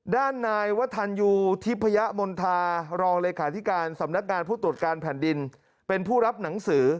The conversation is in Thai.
ด้านนายวัฒนยูทิพยมณฑารองเลขาธิการสำนักงานผู้ตรวจการแผ่นดินเป็นผู้รับหนังสือ